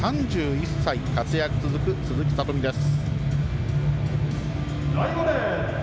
３１歳、活躍が続く鈴木聡美です。